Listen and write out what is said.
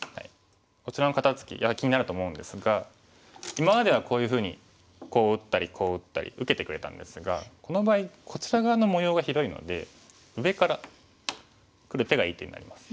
こちらの肩ツキやはり気になると思うんですが今まではこういうふうにこう打ったりこう打ったり受けてくれたんですがこの場合こちら側の模様が広いので上からくる手がいい手になります。